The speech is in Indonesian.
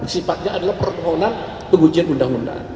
sifatnya adalah permohonan pengujian undang undang